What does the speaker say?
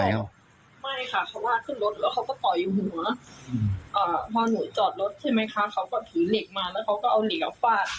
แล้วไม่ค่ะเขาว่าขึ้นรถแล้วเขาก็ต่อยหัวพอหนูจอดรถใช่ไหมคะเขาก็ถือเหล็กมาแล้วเขาก็เอาเหลวฟาด